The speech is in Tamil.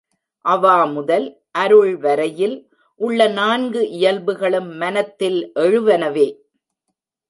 அவா முதல் அருள் வரையில் உள்ள நான்கு இயல்புகளும் மனத்தில் எழுவனவே.